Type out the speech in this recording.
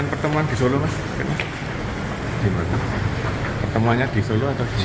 sinyal pertemuan kedua pemimpin parpol besar itu sempat disampaikan oleh putri megawati